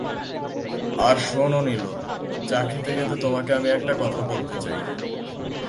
আর শোন নীলু, চা খেতে-খেতে তোমাকে আমি একটা কথা বলতে চাই।